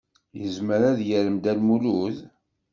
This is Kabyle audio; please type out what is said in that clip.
Yezmer ad yarem Dda Lmulud?